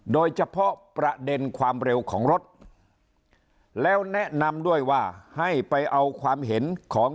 โดยเฉพาะประเด็นความเร็วของรถแล้วแนะนำด้วยว่าให้ไปเอาความเห็นของ